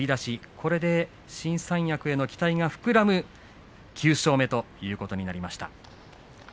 これで新三役への期待が膨らむ９勝目ということになりました。